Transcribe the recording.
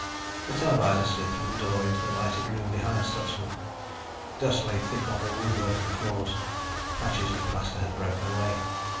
The televisor slid through the door into the lighted room behind Stutsman. Dust lay thick on the woodwork and floors. Patches of plaster had broken away.